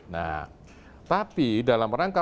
nah tapi dalam rangka